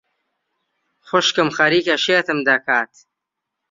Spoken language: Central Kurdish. خوشکم خەریکە شێتم دەکات.